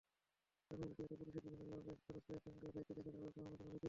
গানের ভিডিওতে পুলিশের বিভিন্ন বিভাগের সদস্যদের সঙ্গে গাইতে দেখা যাবে ফাহমিদা নবীকে।